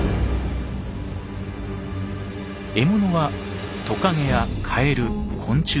獲物はトカゲやカエル昆虫など。